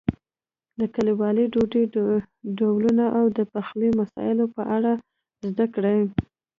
د کلیوالي ډوډۍ ډولونو او د پخلي مسالو په اړه زده کړئ.